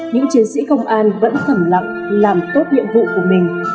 những chiến sĩ công an vẫn thẩm lặng làm tốt nhiệm vụ của mình